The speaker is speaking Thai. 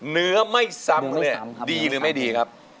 เนื้อไม่ซ้ำเลยดีหรือไม่ดีครับครับ